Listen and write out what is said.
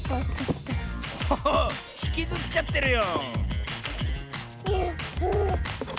おおっひきずっちゃってるよ